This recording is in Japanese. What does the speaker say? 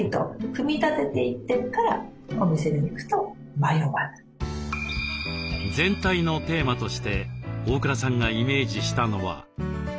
全体のテーマとして大倉さんがイメージしたのは。